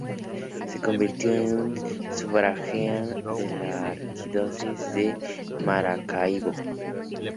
Se convirtió en sufragánea de la Arquidiócesis de Maracaibo.